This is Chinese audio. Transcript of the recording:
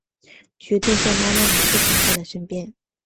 决定向妈妈拿些钱放在身边